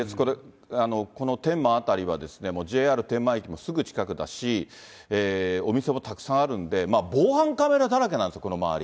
この天満辺りはＪＲ天満駅もすぐ近くだし、お店もたくさんあるんで、防犯カメラだらけなんですよ、この周り。